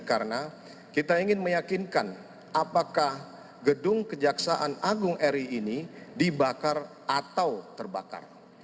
karena kita ingin meyakinkan apakah gedung kejaksaan agung ri ini dibakar atau terbakar